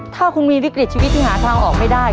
ถ้าคุณมีวิกฤตชีวิตที่หาทางออกไม่ได้